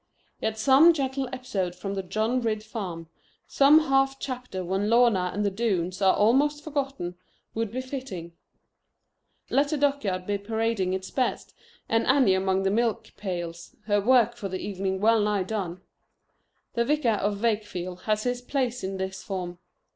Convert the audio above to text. Yet some gentle episode from the John Ridd farm, some half chapter when Lorna and the Doones are almost forgotten, would be fitting. Let the duck yard be parading its best, and Annie among the milk pails, her work for the evening well nigh done. The Vicar of Wakefield has his place in this form.